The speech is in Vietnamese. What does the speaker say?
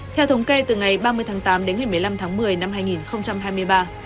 theo thống kê từ ngày ba mươi tháng tám đến ngày một mươi năm tháng một mươi năm hai nghìn hai mươi ba